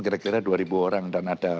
kira kira dua ribu orang dan ada